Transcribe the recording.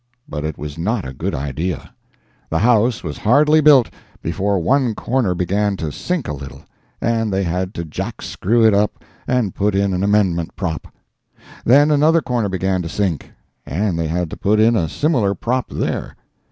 But it was not a good idea. The house was hardly built, before one corner began to sink a little, and they had to jackscrew it up and put in an amendment prop. Then another corner began to sink, and they had to put in a similar prop there.